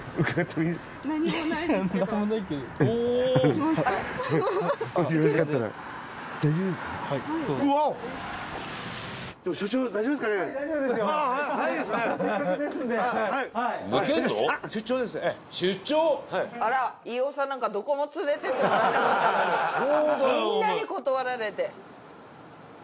みんなに断られて。